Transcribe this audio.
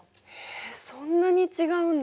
そんなに違うんだ。